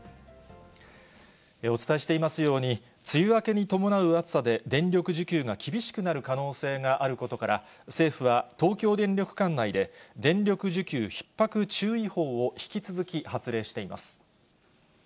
お伝えしていますように、梅雨明けに伴う暑さで、電力需給が厳しくなる可能性があることから、政府は東京電力管内で、電力需給ひっ迫注意報を引き続き発令しています。